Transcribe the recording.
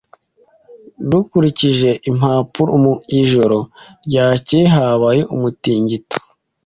Dukurikije impapuro, mu ijoro ryakeye habaye umutingito.